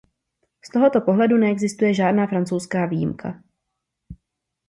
Z tohoto pohledu neexistuje žádná francouzská výjimka.